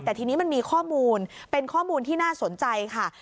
แต่ทีนี้มันมีข้อมูลเป็นข้อมูลที่น่าสนใจค่ะ